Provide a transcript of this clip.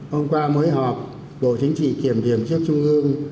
hôm qua mới họp bộ chính trị kiểm điểm trước trung ương